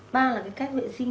ba là cái cách vệ sinh